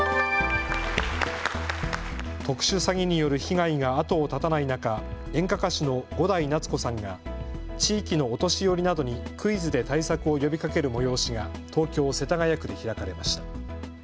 特殊詐欺による被害が後を絶たない中、演歌歌手の伍代夏子さんが地域のお年寄りなどにクイズで対策を呼びかける催しが東京世田谷区で開かれました。